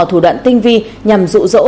thủ đoạn tinh vi nhằm rụ rỗ